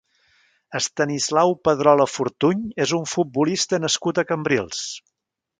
Estanislau Pedrola Fortuny és un futbolista nascut a Cambrils.